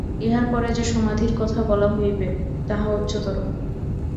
ইহার পরে যে সমাধির কথা বলা হইবে, তাহা উচ্চতর।